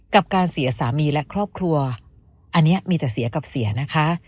กับการเสียสามีและครอบครัวอันนี้มีแต่เสียกับเสียนะคะ